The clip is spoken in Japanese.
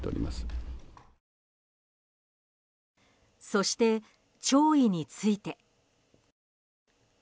そして弔意について。